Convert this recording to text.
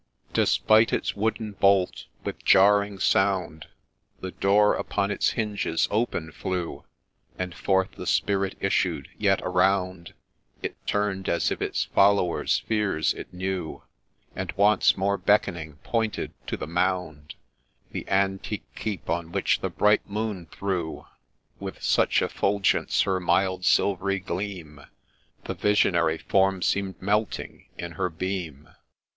60 THE GHOST Despite its wooden bolt, with jarring sound, The door upon its binges open flew ; And forth the Spirit issued, — yet around It turn'd, as if its follower's fears it knew, And, once more beckoning, pointed to the mound, The antique Keep, on which the bright moon threw With such effulgence her mild silvery gleam, The visionary form seem'd melting in her beam.